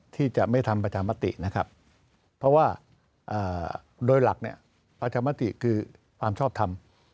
ที่จะไม่ทำประชามตินะครับเพราะว่าโดยหลักเนี่ยประชามติคือความชอบทำ